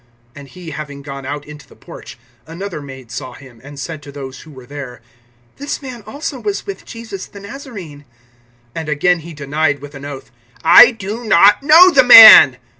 (71)And he having gone out into the porch, another maid saw him, and said to those who were there: This man also was with Jesus the Nazarene. (72)And again he denied, with an oath: I do not know the man.